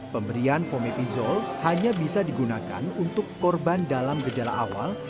pemberian pomefizol hanya bisa digunakan untuk korban dalam gejala awal